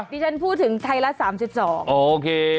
ฉันพูดถึงไทยละ๓๒โอเค